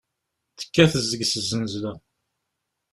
Tekkat deg-s zznezla.